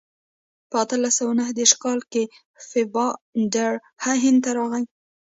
په اتلس سوه نهه دېرش کې کارل پفاندر هند ته راغی.